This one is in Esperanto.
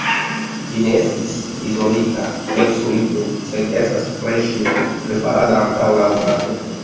Ĝi ne estis izolita kiel solido, sed estas freŝe preparata antaŭ ol uzado.